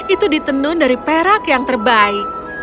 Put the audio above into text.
itu ditenun dari perak yang terbaik